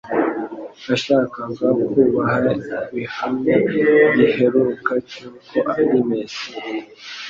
Yashakaga kubaha igihamya giheruka cy'uko ari Mesiya.